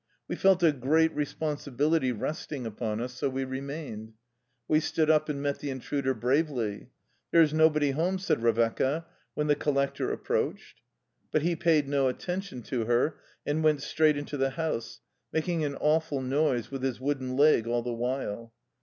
We felt a great responsi bility resting upon us, so we remained. We stood up, and met the intruder bravely. и There is nobody home," said Revecca, when the collector approached. But he paid no at tention to her, and went straight into the house, making an awful noise with his wooden leg all the while.